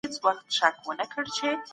کمپيوټر بوديجه جوړوي.